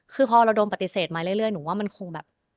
คือพอเราโดนปฏิเสธมาเรื่อยหนูว่ามันคงแบบ